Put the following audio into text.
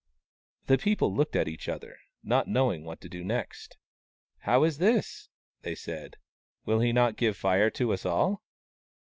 The people looked at each other, not knowing what to do next. " How is this ?" they said. " Will he not give Fire to us all